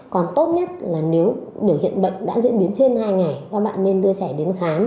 còn tốt nhất là nếu biểu hiện bệnh đã diễn biến trên hai ngày các bạn nên đưa trẻ đến khám